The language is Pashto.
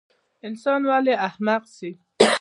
انسان ولۍ احمق سي؟